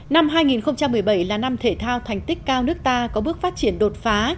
năm hai nghìn một mươi bảy là năm thể thao thành tích cao nước ta có bước phát triển đột phá